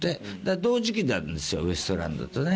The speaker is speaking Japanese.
同時期なんですよウエストランドとね。